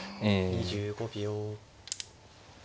２５秒。